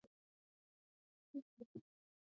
تالابونه د افغانستان د بڼوالۍ برخه ده.